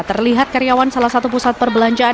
terlihat karyawan salah satu pusat perbelanjaan